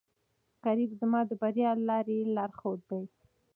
رقیب زما د بریا د لارې لارښود دی